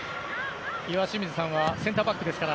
岩清水さんはセンターバックですから。